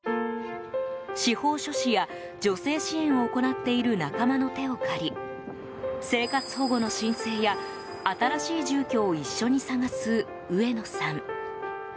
司法書士や、女性支援を行っている仲間の手を借り生活保護の申請や新しい住居を一緒に探す上野さん。